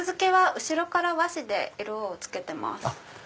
後ろから和紙で色を付けてます。